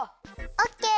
オッケー！